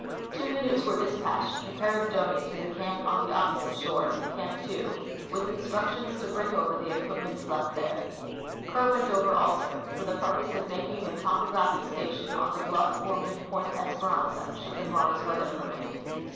Two canoes were dispatched, in care of Doney, to the camp on the opposite shore (Camp 2), Avith instructions to bring over the equi23ments left there. Kerr went over also for the purpose of making a topographic station on the bluff' forming Point Espe ranza should the morrow's weather permit.